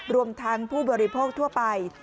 รวมทั้งผู้บริโภคทั่วไป